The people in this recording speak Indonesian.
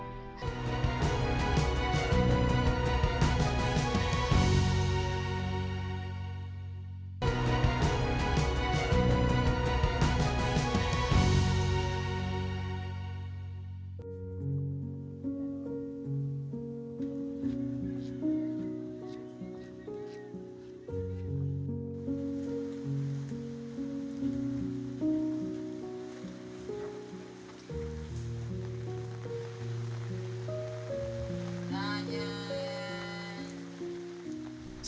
ya tidak pernah